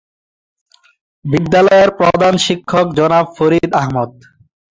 বিদ্যালয়ের প্রধান শিক্ষক জনাব ফরিদ আহমদ।